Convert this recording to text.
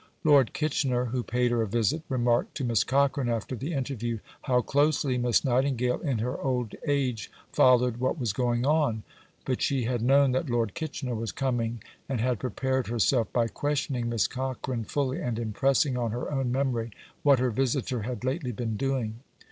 Lord Kitchener, who paid her a visit, remarked to Miss Cochrane after the interview how closely Miss Nightingale in her old age followed what was going on; but she had known that Lord Kitchener was coming and had prepared herself by questioning Miss Cochrane fully and impressing on her own memory what her visitor had lately been doing.